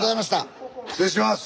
失礼します！